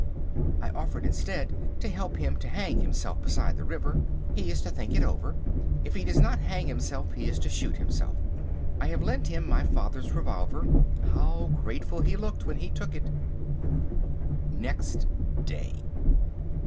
I offered instead to help him to hang himself beside the river. He is to think it over. If he does not hang himself, he is to shoot himself. I have lent him my father's revolver. How grateful he looked when he took it. Next Day.